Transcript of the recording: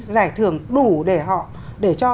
giải thưởng đủ để họ để cho